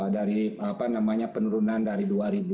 dari penurunan dari dua ribu sembilan belas